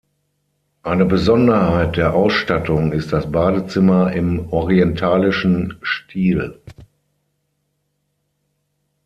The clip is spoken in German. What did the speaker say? Eine Besonderheit der Ausstattung ist das Badezimmer im orientalischen Stil.